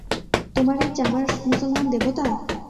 তোমার এই চামার মুসলমান দেবতা?